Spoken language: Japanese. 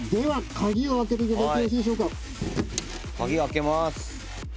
鍵開けます。